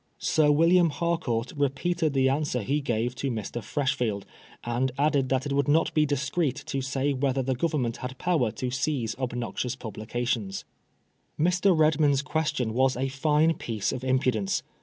Sir William Harcourt repeated the answer he gave to Mr. Fresh field, and added that it would not be discreet to say whether the Government had power to seize obnoxious publications. Mr. Redmond's question was a fine piece of impu dence.